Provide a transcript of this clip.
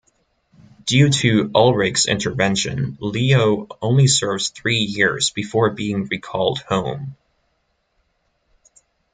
Due to Ulrich's intervention, Leo only serves three years before being recalled home.